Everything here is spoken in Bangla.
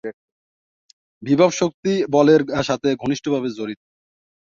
বিভবশক্তি বলের সাথে ঘনিষ্ঠভাবে জড়িত।